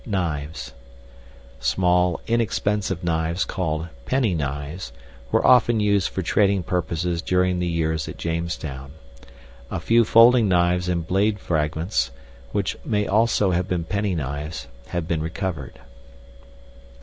Knives. Small, inexpensive knives called penny knives, were often used for trading purposes during the years at Jamestown. A few folding knives and blade fragments (which may also have been penny knives) have been recovered.